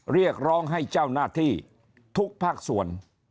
เรียกร้องให้เจ้าหน้าที่ทุกภาคส่วน